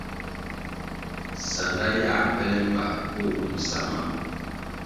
Sanda yiā bele mbpa bo wum sa mam.